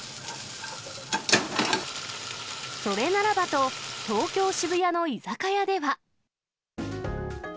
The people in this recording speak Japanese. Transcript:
それならばと、東京・渋谷の居酒屋では。